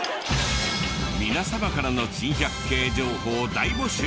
皆様からの珍百景情報大募集！